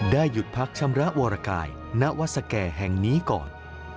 หยุดพักชำระวรกายณวัดสแก่แห่งนี้ก่อน